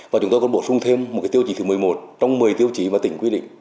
và chúng tôi còn bổ sung thêm một tiêu chỉ thứ một mươi một trong một mươi tiêu chỉ mà tỉnh quy định